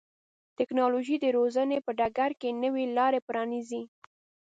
ټکنالوژي د روزنې په ډګر کې نوې لارې پرانیزي.